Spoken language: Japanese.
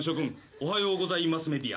おはようございマスメディア。